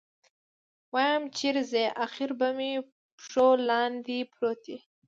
ويم چېرې ځې اخېر به مې پښو لاندې پروت يې.